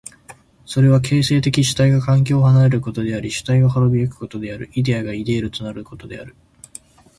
それは形成的主体が環境を離れることであり主体が亡び行くことである、イデヤがイデールとなることである。